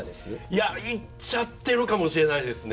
いや言っちゃってるかもしれないですね。